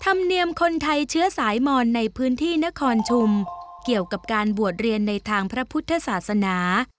ธรรมเนียมคนไทยเชื้อสายมอนในพื้นที่นครชุมเกี่ยวกับการบวชเรียนในทางพระพุทธศาสนา